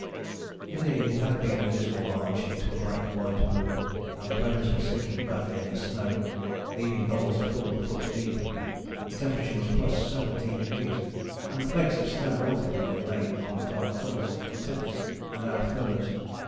Indeed it had been a dismal march into a blank white wall, and the ponies were sinking badly in the snow, leaving holes a full foot deep. The temperature was +17° and the flakes of snow melted when they lay on the dark colours of the tents and our furs.